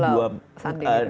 di pulau sandi